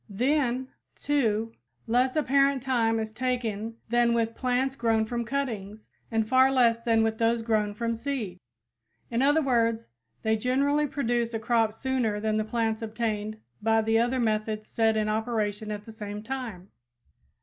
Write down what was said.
Then, too, less apparent time is taken than with plants grown from cuttings and far less than with those grown from seed. In other words, they generally produce a crop sooner than the plants obtained by the other methods set in operation at the same time.